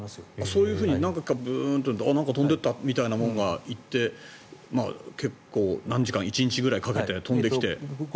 そういうふうに何か飛んで行ったみたいなものが行って結構、何時間１日ぐらいかけて飛んできて。